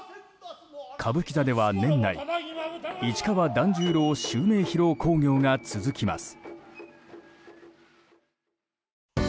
歌舞伎座では年内市川團十郎襲名披露興行が続きます。